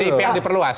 pdip yang diperluas